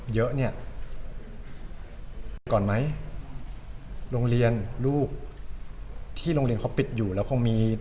เยอะเนี่ยก่อนไหมโรงเรียนลูกที่โรงเรียนเขาปิดอยู่แล้วคงมี